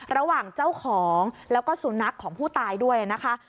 ระหว่างเจ้าของแล้วก็สุนัขของผู้ตายด้วยนะคะ